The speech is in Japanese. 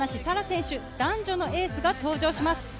高梨沙羅選手、男女のエースが登場します。